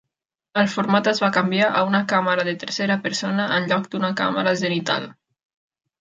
El format es va canviar a una càmera de tercera persona en lloc d'una càmera zenital.